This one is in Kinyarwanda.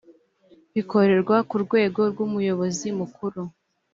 bikorerwa ku rwego rw’umuyobozi mukuru